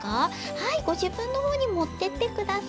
はいごじぶんのほうにもってってください。